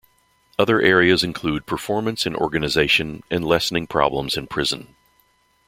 Other areas include performance in organization and lessening problems in prison.